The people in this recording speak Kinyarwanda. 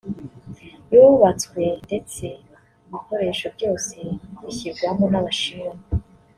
yubatswe ndetse ibikoresho byose bishyirwamo n’Abashinwa